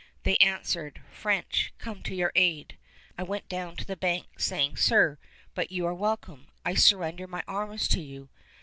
They answered, "French come to your aid!" I went down to the bank, saying: "Sir, but you are welcome! I surrender my arms to you!"